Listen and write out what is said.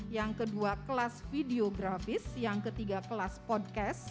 yang kedua kelas videografis yang ketiga kelas podcast